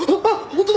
本当だ！